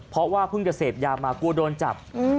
เพราะว่าเพิ่งจะเสพยามากลัวโดนจับ